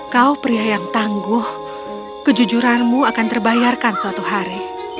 kau pria yang tangguh kejujuranmu akan terbayarkan suatu hari